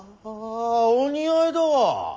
お似合いだわ。